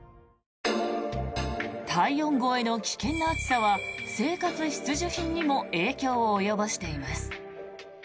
体温超えの危険な暑さは生活必需品にも影響を及ぼしています。